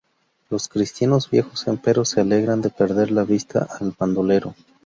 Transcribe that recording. Los cristianos viejos, empero, se alegran de perder de vista al bandolero.